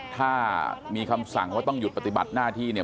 ถ้ามีคำสั่งว่าต้องหยุดปฏิบัติหน้าที่เนี่ย